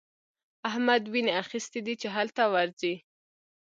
احمد ويني اخيستی دی چې هلته ورځي.